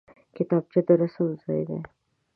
کتابچه د رسم ځای دی